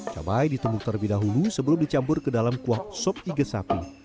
cabai ditumbuk terlebih dahulu sebelum dicampur ke dalam kuah sop iga sapi